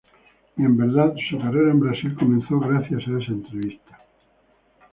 Y en verdad, su carrera en Brasil comenzó gracias a esa entrevista.